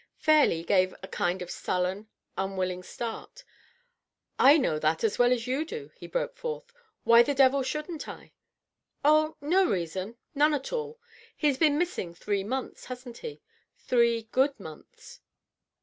Fairleigh gave a kind of sullen, unwilling start. " I know that as well as you do,'' he broke forth. " Why the devil shouldn't I ?"" Oh, no reason — none at all. He's been missing three months, hasn't he? — ^three good months."